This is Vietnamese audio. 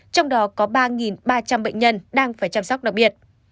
trong đó có ba ba trăm linh bệnh nhân đang phải chăm sóc đặc biệt